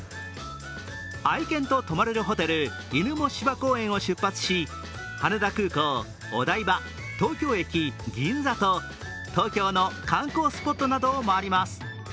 愛犬と泊まれるホテル、ｉｎｕｍｏ芝公園を出発し羽田空港、お台場、東京駅、銀座と東京の観光スポットなどを回ります。